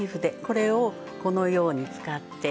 これをこのように使って。